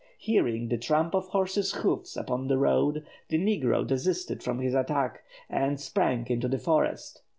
Hearing the tramp of horses' hoofs upon the road, the negro desisted from his attack, and sprang into the forest.